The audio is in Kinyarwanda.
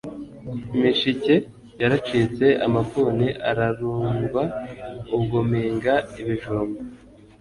imishike yaracitse amafuni ararundwa, ubwo mpinga ibijumba